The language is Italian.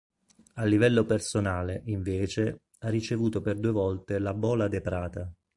A livello personale, invece, ha ricevuto per due volte la Bola de Prata.